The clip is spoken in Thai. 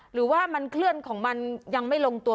หรือว่ามันเคลื่อนของมันยังไม่ลงตัว